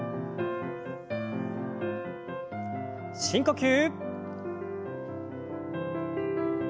深呼吸。